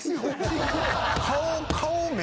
顔。